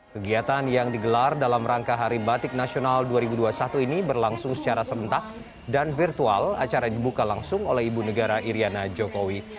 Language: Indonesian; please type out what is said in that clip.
kegiatan yang digelar dalam rangka hari batik nasional dua ribu dua puluh satu ini berlangsung secara serentak dan virtual acara dibuka langsung oleh ibu negara iryana jokowi